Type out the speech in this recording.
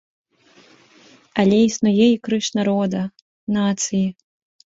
Але існуе і крыж народа, нацыі.